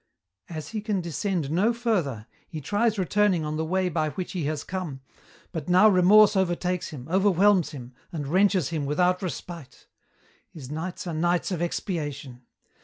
"As he can descend no further, he tries returning on the way by which he has come, but now remorse overtakes him, overwhelms him, and wrenches him without respite. His nights are nights of expiation.